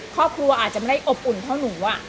ครอบครัวอาจจะไม่ได้อบอุ่นเท่าหนู